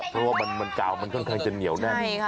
เพราะว่ามันกาวมันค่อนข้างจะเหนียวแน่น